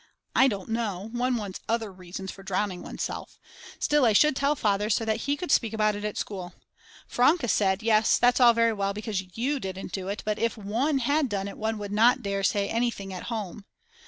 I don't know, one wants other reasons for drowning oneself. Still, I should tell Father so that he could speak about it at school. Franke said: Yes, that's all very well, because you didn't do it; but if one had done it one would not dare to say anything at home.